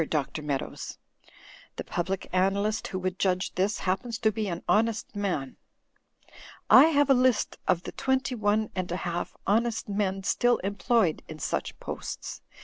Dr. Meadows. The Public Analyst who would judge this, happens to be an honest man. I have a list of the twenty one and a half honest men still employed in such posts.